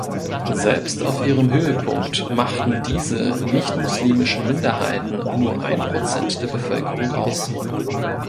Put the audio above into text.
Selbst auf ihrem Höhepunkt machten diese nichtmuslimischen Minderheiten nur ein Prozent der Bevölkerung aus.